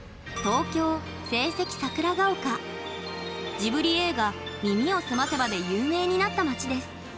ジブリ映画「耳をすませば」で有名になった街です。